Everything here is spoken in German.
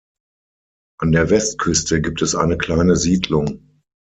An der Westküste gibt es eine kleine Siedlung.